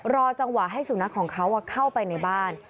รอจังหวะให้สุนัขของเขาเข้าไปในบ้าน